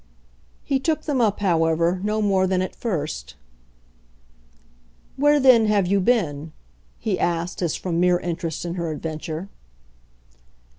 He took them up, however, no more than at first. "Where then have you been?" he asked as from mere interest in her adventure.